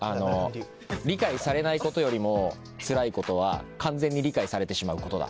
「理解されないことよりもつらいことは完全に理解されてしまうことだ」。